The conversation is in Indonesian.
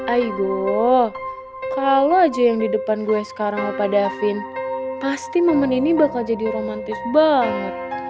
aigoo kalo aja yang di depan gue sekarang bapak davin pasti momen ini bakal jadi romantis banget